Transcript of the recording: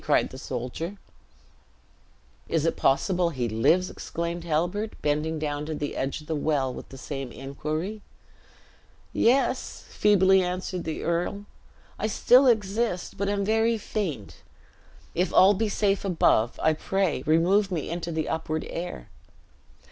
cried the soldier. "Is it possible he lives!" exclaimed Halbert, bending down to the edge of the well with the same inquiry. "Yes," feebly answered the earl, "I still exist, but am very faint. If all be safe above, I pray remove me into the upward air!"